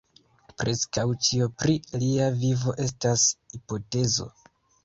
Preskaŭ ĉio pri lia vivo estas hipotezo.